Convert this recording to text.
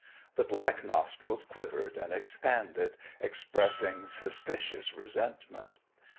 The black nostrils quivered and expanded, expressing suspicious resentment.